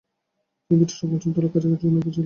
তিনি ব্রিটিশ রক্ষণশীল দলের কাছে জনপ্রিয় ছিলেন।